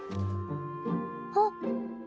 あっ。